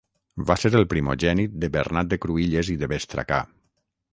Va ser el primogènit de Bernat de Cruïlles i de Bestracà.